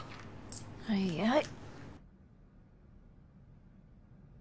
はいはい。